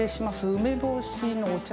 梅干しのお茶